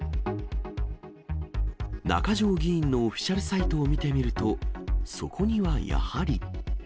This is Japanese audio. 中条議員のオフィシャルサイトを見てみると、そこにはやはり。